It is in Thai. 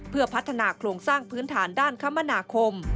เพื่อพัฒนาโครงสร้างพื้นฐานด้านคมนาคม